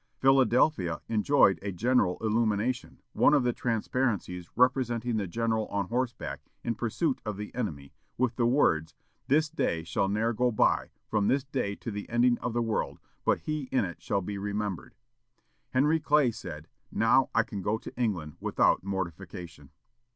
Philadelphia enjoyed a general illumination; one of the transparencies representing the general on horseback in pursuit of the enemy, with the words, "This day shall ne'er go by, from this day to the ending of the world, but He in it shall be remembered." Henry Clay said, "Now I can go to England without mortification."